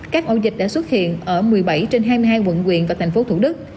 các ổ dịch đã xuất hiện ở một mươi bảy trên hai mươi hai quận quyền và tp thủ đức